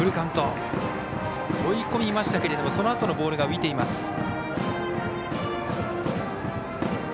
追い込みましたけれどもそのあとのボールが浮いています。